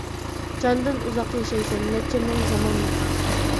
جاندىن ئۇزاق ياشايسەن، نەچچە مىڭ زامان مۇقام!